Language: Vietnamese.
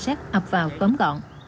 ập vào cấm gọn